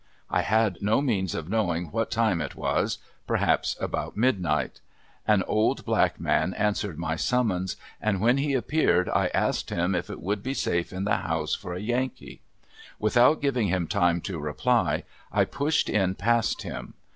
I had no means of knowing what time it was perhaps about midnight. An old black man answered my summons, and when he appeared I asked him if it would be safe in the house for a Yankee. Without giving him time to reply I pushed in past him.